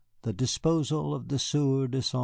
THE DISPOSAL OF THE SIEUR DE ST.